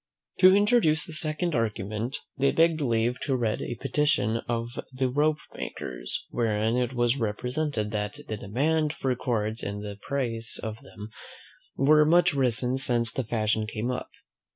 To introduce the second argument, they begged leave to read a petition of the ropemakers, wherein it was represented, "that the demand for cords, and the price of them, were much risen since this fashion came up."